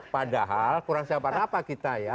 padahal kurang siapa apa kita ya